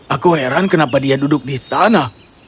aku heran kenapa dia duduk di sana